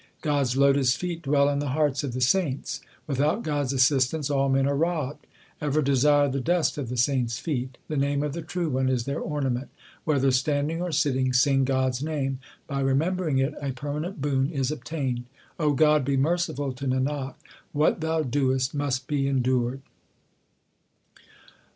God s lotus feet dwell in the hearts of the saints. Without God s assistance all men are robbed. Ever desire the dust of the saints feet : the name of the True One is their ornament. Whether standing or sitting sing God s name : By remembering it a permanent boon is obtained. God be merciful to Nanak ; what Thou doest must be endured.